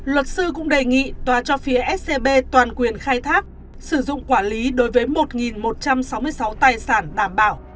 luật sư cũng đề nghị tòa cho phía scb toàn quyền khai thác sử dụng quản lý đối với một một trăm sáu mươi sáu tài sản đảm bảo